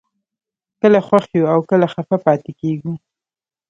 کله خوښ یو او کله خفه پاتې کېږو